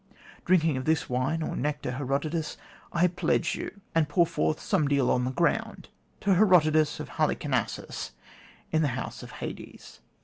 Drinking of this wine, or nectar, Herodotus, I pledge you, and pour forth some deal on the ground, to Herodotus of Halicarnassus, in the House of Hades.